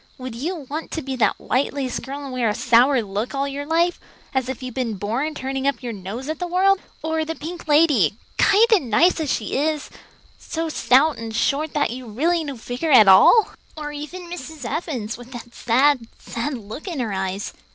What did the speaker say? Would you want to be that white lace girl and wear a sour look all your life, as if you'd been born turning up your nose at the world? Or the pink lady, kind and nice as she is, so stout and short that you'd really no figure at all? Or even Mrs. Evans, with that sad, sad look in her eyes?